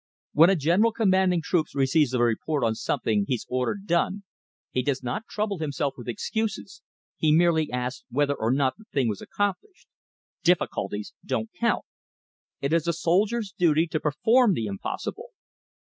When a general commanding troops receives a report on something he's ordered done, he does not trouble himself with excuses; he merely asks whether or not the thing was accomplished. Difficulties don't count. It is a soldier's duty to perform the impossible.